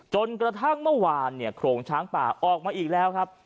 จนกระทั่งเมื่อวานเนี่ยโครงช้างป่าออกมาอีกแล้วครับ